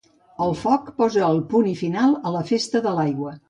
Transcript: El foc posa el punt i final a la festa de l'aigua.